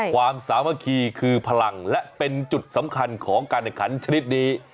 ความสามัคคีคือพลังและเป็นจุดสำคัญของการแข่งขันชนิดนี้